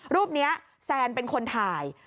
รูปนี้แซนเป็นคนถ่าย